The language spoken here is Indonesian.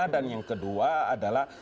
dan yang kedua adalah